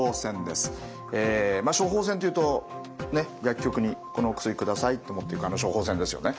処方箋というと薬局に「このお薬下さい」と持っていくあの処方箋ですよね。